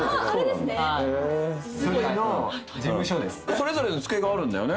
それぞれの机があるんだよね。